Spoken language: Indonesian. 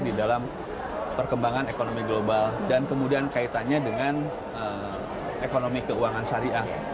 di dalam perkembangan ekonomi global dan kemudian kaitannya dengan ekonomi keuangan syariah